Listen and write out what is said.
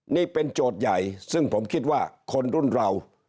นี่เป็นโจทย์ใหญ่ซึ่งผมคิดว่าคนรุ่นเรา